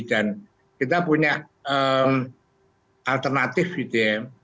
dan kita punya alternatif gitu ya